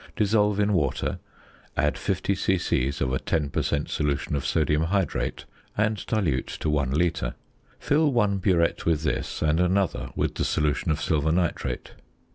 dissolve in water, add 50 c.c. of a 10 per cent. solution of sodium hydrate and dilute to 1 litre. Fill one burette with this and another with the solution of silver nitrate.